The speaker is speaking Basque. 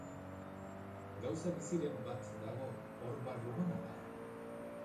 Gauza biziren bat dago hor barruan ala?